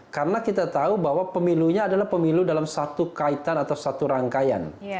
karena kita tahu bahwa pemilunya adalah pemilu dalam satu kaitan atau satu rangkaian